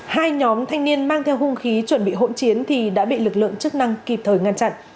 hai nhóm thanh niên mang theo hung khí chuẩn bị hỗn chiến thì đã bị lực lượng chức năng kịp thời ngăn chặn